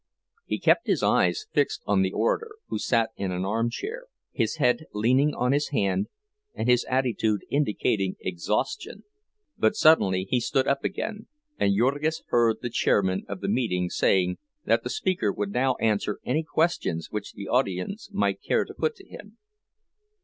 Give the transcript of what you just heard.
He kept his eyes fixed on the orator, who sat in an armchair, his head leaning on his hand and his attitude indicating exhaustion. But suddenly he stood up again, and Jurgis heard the chairman of the meeting saying that the speaker would now answer any questions which the audience might care to put to him.